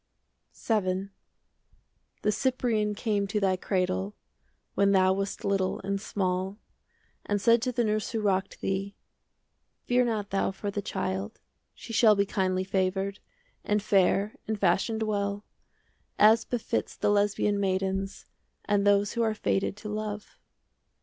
30 VII The Cyprian came to thy cradle, When thou wast little and small, And said to the nurse who rocked thee "Fear not thou for the child: "She shall be kindly favoured, 5 And fair and fashioned well, As befits the Lesbian maidens And those who are fated to love."